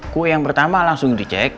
kue yang pertama langsung dicek